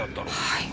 はい。